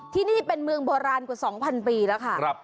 ที่นี่เป็นเมืองโบราณกว่า๒๐๐ปีแล้วค่ะ